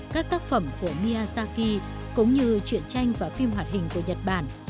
các tác phẩm của miyasaki cũng như chuyện tranh và phim hoạt hình của nhật bản